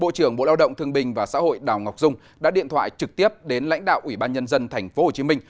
bộ trưởng bộ lao động thương bình và xã hội đào ngọc dung đã điện thoại trực tiếp đến lãnh đạo ủy ban nhân dân tp hcm